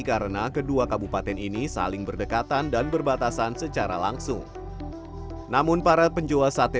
karena kedua kabupaten ini saling berdekatan dan berbatasan secara langsung namun para penjual sate